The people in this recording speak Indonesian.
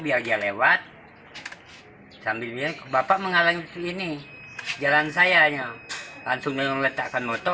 biar dia lewat sambil dia ke bapak menghalangi ini jalan saya nya langsung meletakkan motor